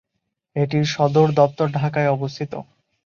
এটির সদরদপ্তর ঢাকায় অবস্থিত।